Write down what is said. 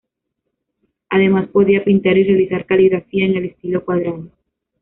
Además podía pintar y realizar caligrafía en el estilo cuadrado.